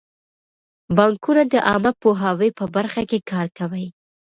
بانکونه د عامه پوهاوي په برخه کې کار کوي.